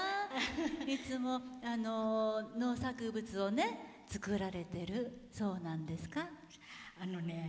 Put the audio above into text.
いつも農作物を作られてるそうなんですか。